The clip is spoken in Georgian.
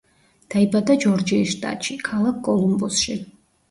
დაიბადა ჯორჯიის შტატში, ქალაქ კოლუმბუსში.